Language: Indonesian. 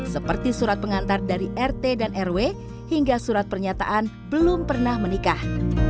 seperti surat pengantar dari rt dan rw hingga surat pernyataan belum pernah menikah